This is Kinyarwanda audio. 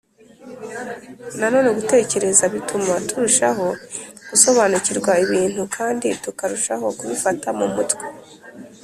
Nanone gutekereza bituma turushaho gusobanukirwa ibintu kandi tukarushaho kubifata mu mutwe